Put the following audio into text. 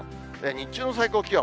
日中の最高気温。